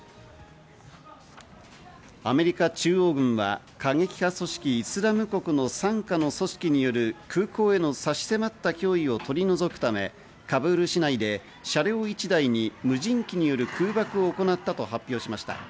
アメリカ中央軍は過激派組織「イスラム国」の傘下の組織による空港への差し迫った脅威を取り除くため、カブール市内で車両１台に無人機による空爆を行ったと発表しました。